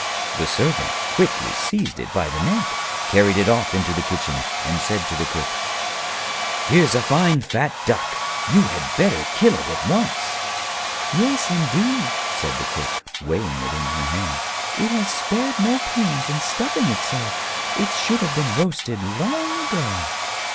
The Servant quickly seized it by the neck, carried it off into the kitchen, and said to the Cook: 'Here's a fine fat Duck. You had better kill it at once.' 'Yes, indeed,' said the Cook, weighing it in her hand. 'It has spared no pains in stuffing itself; it should have been roasted long ago.'